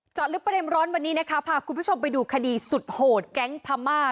ลึกประเด็นร้อนวันนี้นะคะพาคุณผู้ชมไปดูคดีสุดโหดแก๊งพม่า